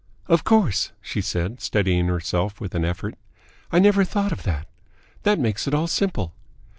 "Of course," she said, steadying herself with an effort, "I never thought of that. That makes it all simple.